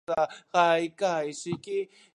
開会式